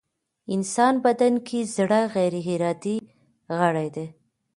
انسان بدن کې زړه غيري ارادې غړی دی.